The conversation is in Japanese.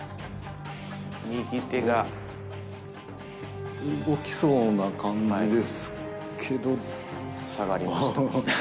右手が動きそうな感じですけど、下がりましたー。